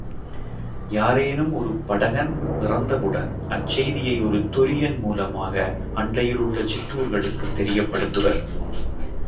யாரேனும் ஒரு படகன் இறந்தவுடன் அச்செய்தியை ஒரு தொரியன் மூலமாக அண்டையிலுள்ள சிற்றூர்களுக்குத் தெரியப்படுத்துவர்.